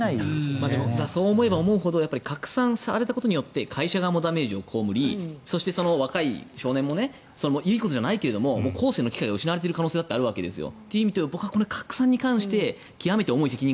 そう思えば思うほど拡散されたことによって会社側もダメージを被りそして、その若い少年もいいことじゃないけれど更生の機会が失われている可能性だってあるわけですよ。